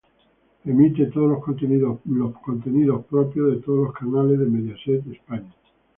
Emite contenidos propios de todos los canales de Mediaset España.